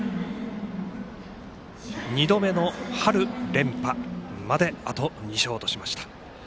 ２度目の春連覇まであと２勝としました。